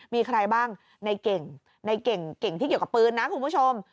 มีใครบ้างในเก่งในเก่งเก่งที่เกี่ยวกับปืนนะคุณผู้ชม